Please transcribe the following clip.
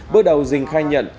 bước đầu dình khai nhận